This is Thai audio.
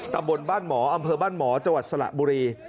ตำบลบ้านหมออำเภอบ้านหมอจังหวัดสระบุรี